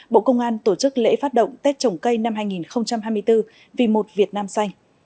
bộ công an tổ chức lễ phát động tết trồng cây năm hai nghìn hai mươi bốn vì một việt nam xanh